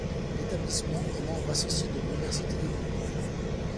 L'établissement est membre associé de l'université de Lyon.